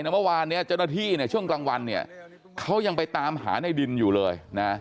เมื่อวานเจ้าหน้าที่ช่วงกลางวันเขายังไปตามหาในดินอยู่เลย